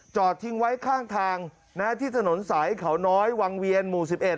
จอดทิ้งไว้ข้างทางที่ถนนสายเขาน้อยวังเวียนหมู่๑๑